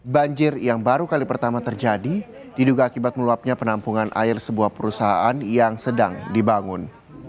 banjir yang baru kali pertama terjadi diduga akibat meluapnya penampungan air sebuah perusahaan yang sedang dibangun